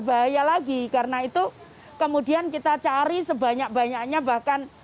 bahaya lagi karena itu kemudian kita cari sebanyak banyaknya bahkan